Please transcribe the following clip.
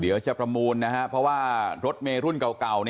ประมูลนะครับเพราะว่ารถเมรุ่นเก่า